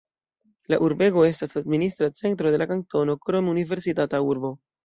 La urbego estas administra centro de la kantono, krome universitata urbo.